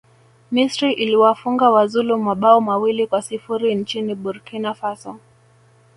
misri iliwafunga wazulu mabao mawili kwa sifuri nchini burkina faso